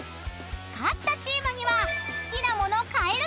［勝ったチームには］